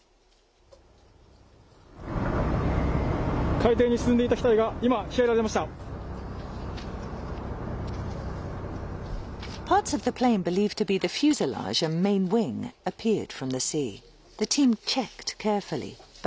海底に沈んでいた機体が今、引き揚げられました。